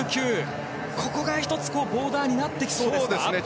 ここが１つボーダーになってきそうですか？